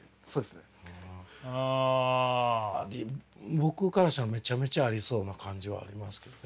僕からしたらめちゃめちゃありそうな感じはありますけどね。